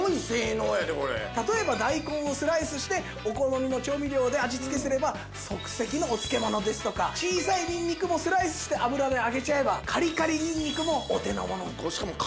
例えば大根をスライスしてお好みの調味料で味付けすれば即席のお漬物ですとか小さいにんにくもスライスして油で揚げちゃえばカリカリにんにくもお手のもの。